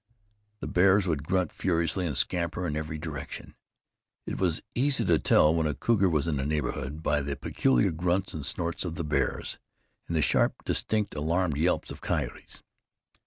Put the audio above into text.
The bears would grunt furiously and scamper in every direction. It was easy to tell when a cougar was in the neighborhood, by the peculiar grunts and snorts of the bears, and the sharp, distinct, alarmed yelps of coyotes.